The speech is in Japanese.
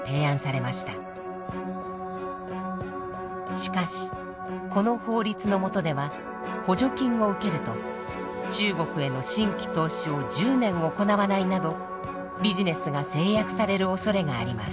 しかしこの法律のもとでは補助金を受けると中国への新規投資を１０年行わないなどビジネスが制約されるおそれがあります。